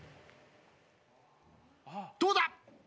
どうだ？